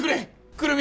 久留美！